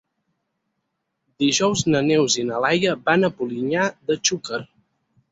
Dijous na Neus i na Laia van a Polinyà de Xúquer.